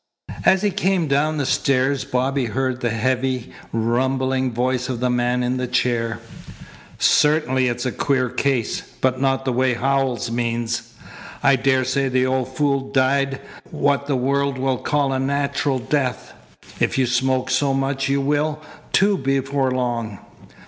As he came down the stairs Bobby heard the heavy, rumbling voice of the man in the chair: "Certainly it's a queer case, but not the way Howells means. I daresay the old fool died what the world will call a natural death. If you smoke so much you will, too, before long."